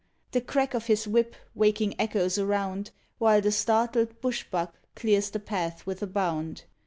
The crack of his whip waking echoes around, While the startled bush buck clears the path with a bound.